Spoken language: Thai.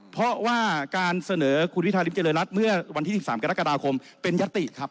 เพราะว่าการเสนอคุณพิธาริมเจริญรัฐเมื่อวันที่๑๓กรกฎาคมเป็นยติครับ